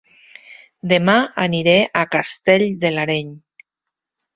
Dema aniré a Castell de l'Areny